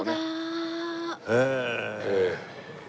へえ！